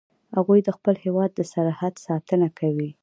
هغوی د خپل هیواد د سرحد ساتنه کوي